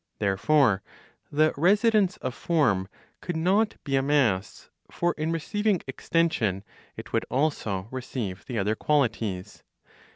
Therefore the residence of form could not be a mass; for in receiving extension, it would also receive the other qualities.